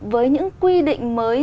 với những quy định mới